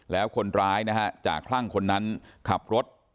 แล้วคนร้ายจากทรั่งคนนั้นขับรถ